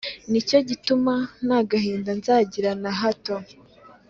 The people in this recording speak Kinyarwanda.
ni cyo gituma nta gahinda nzagira na hato.’